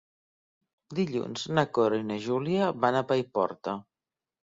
Dilluns na Cora i na Júlia van a Paiporta.